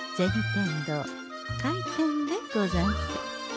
天堂開店でござんす。